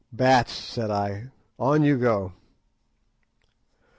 "Bats," said I; "on you go."